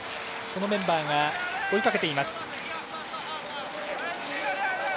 そのメンバーが追いかけています。